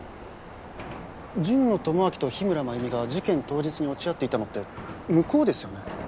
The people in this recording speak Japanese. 神野智明と日村繭美が事件当日に落ち合っていたのって向こうですよね？